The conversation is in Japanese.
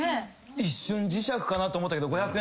一瞬磁石かなって思ったけど５００円